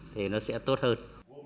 thì nó sẽ tốt hơn